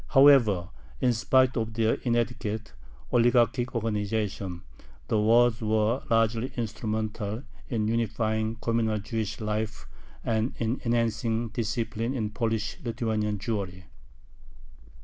However, in spite of their inadequate, oligarchic organization, the Waads were largely instrumental in unifying communal Jewish life and in enhancing discipline in Polish Lithuanian Jewry.